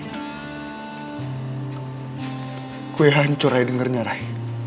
gue hancur ray dengernya ray